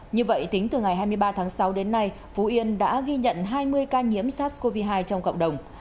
như vậy tính từ ngày hai mươi ba tháng sáu đến nay phú yên đã ghi nhận hai mươi ca nhiễm sars cov hai trong cộng đồng